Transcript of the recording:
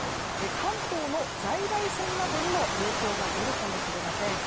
関東の在来線などにも影響が出るかもしれません。